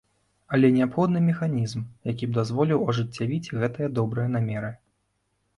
Але неабходны механізм, які б дазволіў ажыццявіць гэтыя добрыя намеры.